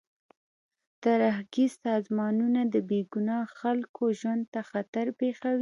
ترهګریز سازمانونه د بې ګناه خلکو ژوند ته خطر پېښوي.